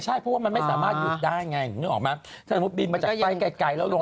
ใช่เพราะว่ามันไม่สามารถหยุดได้ไงนึกออกไหมถ้าสมมุติบินมาจากไปไกลแล้วลง